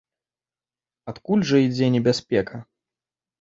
Адкуль жа ідзе небяспека?